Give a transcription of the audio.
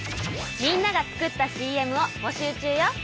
みんなが作ったＣＭをぼしゅう中よ。